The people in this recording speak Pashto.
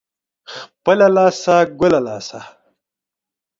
خپله لاسه ، گله لاسه.